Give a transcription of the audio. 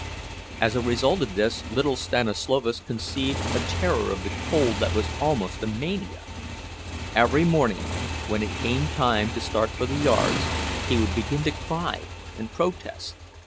As a result of this, little Stanislovas conceived a terror of the cold that was almost a mania. Every morning, when it came time to start for the yards, he would begin to cry and protest.